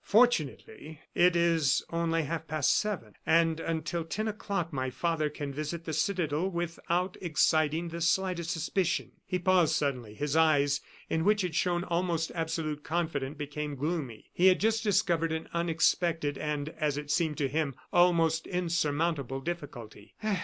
"Fortunately, it is only half past seven, and until ten o'clock my father can visit the citadel without exciting the slightest suspicion." He paused suddenly. His eyes, in which had shone almost absolute confidence, became gloomy. He had just discovered an unexpected and, as it seemed to him, almost insurmountable difficulty.